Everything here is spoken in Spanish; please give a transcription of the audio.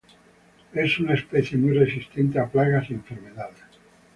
Es una especie muy resistente a plagas y enfermedades.